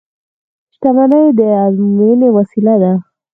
• شتمني د ازموینې وسیله ده.